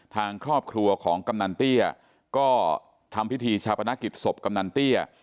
ทางครอบครัวของกำนันเตี้ยก็ทำพิธีชาปนกิจศพกำนันเตี้ย